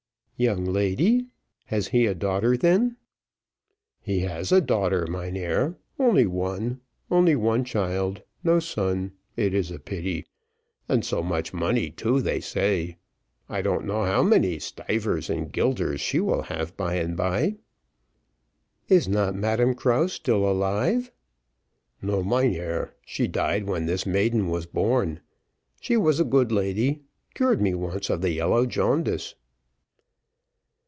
"Young lady! has he a daughter then?" "He has a daughter, mynheer only one only one child no son, it is a pity; and so much money too, they say. I don't know how many stivers and guilders she will have by and bye." "Is not Madame Krause still alive?" "No, mynheer, she died when this maiden was born. She was a good lady, cured me once of the yellow jaundice."